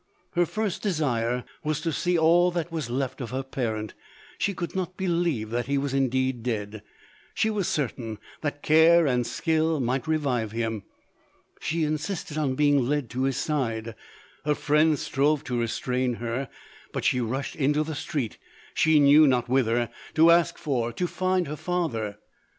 Her first desire was to sec all that was left of her parent — she could not believe that he was indeed dead — she was cer tain that care and skill might revive him— she insisted on being led to his side ; her friends strove to restrain her, but she rushed into the street, she knew not whither, to ask for, to find LODORE. her father.